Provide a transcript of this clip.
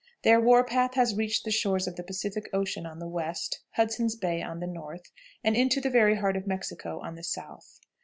Their war path has reached the shores of the Pacific Ocean on the west, Hudson's Bay on the north, and into the very heart of Mexico on the south.